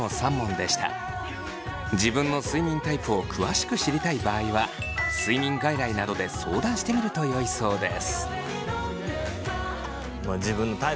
自分の睡眠タイプを詳しく知りたい場合は睡眠外来などで相談してみるとよいそうです。